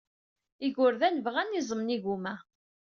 Igerdan bɣan iẓem n yigumma.